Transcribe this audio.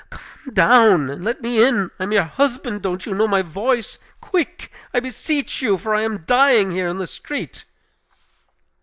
"Come down and let me in! I am your husband! Don't you know my voice? Quick, I beseech you; for I am dying here in the street!"